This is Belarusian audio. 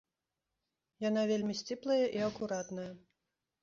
Яна вельмі сціплая і акуратная.